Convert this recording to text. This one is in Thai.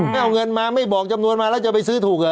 ไม่เอาเงินมาไม่บอกจำนวนมาแล้วจะไปซื้อถูกเหรอ